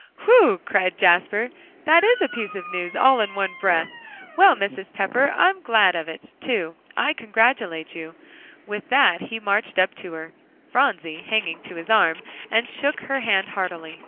"Whew!" cried Jasper, "that is a piece of news all in one breath. Well, Mrs. Pepper, I'm glad of it, too. I congratulate you." With that, he marched up to her, Phronsie hanging to his arm, and shook her hand heartily.